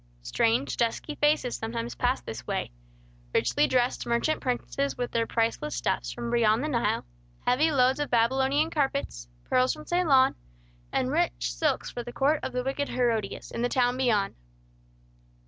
Strange, dusky faces sometimes passed this way; richly dressed merchant princes with their priceless stuffs from beyond the Nile; heavy loads of Babylonian carpets; pearls from Ceylon, and rich silks for the court of the wicked Herodias, in the town beyond.